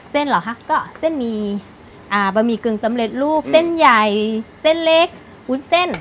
เหรอคะก็เส้นหมี่บะหมี่กึ่งสำเร็จรูปเส้นใหญ่เส้นเล็กวุ้นเส้น